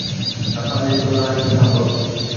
اسان جي چوڌاري سڀ